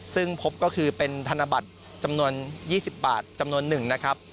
ซึ่งพบก็คือเป็นธนบัตรจำนวน๒๐บาทจำนวนหนึ่งนะครับ